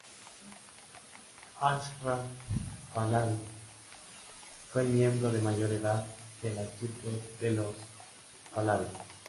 Ashraf Pahlaví fue el miembro de mayor edad de la estirpe de los Pahlaví.